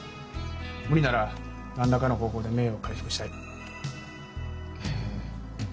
無理なら何らかの方法で名誉を回復したい。へえ。